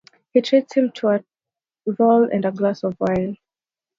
He treats him to a roll and a glass of wine.